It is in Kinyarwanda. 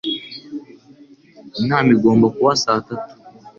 Inama igomba kuba saa tatu.